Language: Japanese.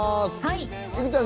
いくちゃん